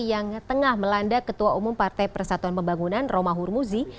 yang tengah melanda ketua umum partai persatuan pembangunan roma hurmuzi